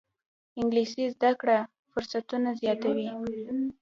انګلیسي زده کړه فرصتونه زیاتوي